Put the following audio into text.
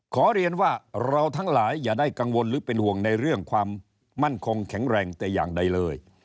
ขอเรียนว่าเราทั้งหลายอย่าได้กังวลหรือเป็นห่วงในเรื่องความมั่นคงแข็งแรงแต่อย่างใดเลย